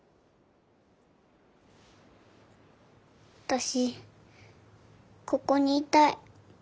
私ここにいたい。